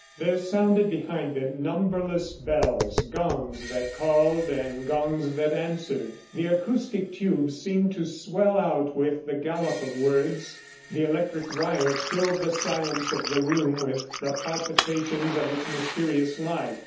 ... There sounded behind them numberless bells, gongs that called and gongs that answered. The acoustic tubes seemed to swell out with the gallop of words. The electric wire filled the silence of the room with the palpitations of its mysterious life.